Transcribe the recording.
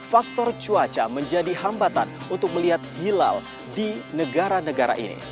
faktor cuaca menjadi hambatan untuk melihat hilal di negara